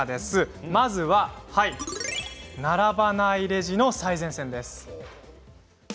まずは並ばないレジの最前線です。